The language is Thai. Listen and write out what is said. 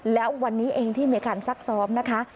แล้ววันนี้เองที่มีการซักซ้อมนะคะ